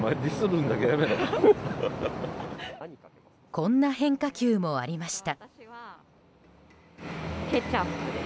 こんな変化球もありました。